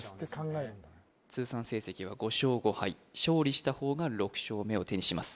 通算成績は５勝５敗勝利した方が６勝目を手にします